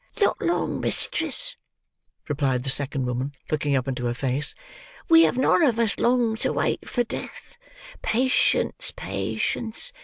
"Not long, mistress," replied the second woman, looking up into her face. "We have none of us long to wait for Death. Patience, patience!